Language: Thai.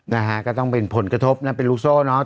นะฮะก็ต้องเป็นผลกระทบนะเป็นลูกโซ่เนอะ